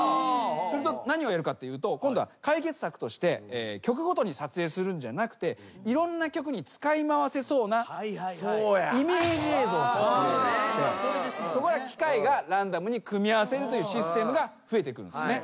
すると何をやるかっていうと今度は解決策として曲ごとに撮影するんじゃなくていろんな曲に使い回せそうなイメージ映像を撮影して機械がランダムに組み合わせるというシステムが増えてくるんですね。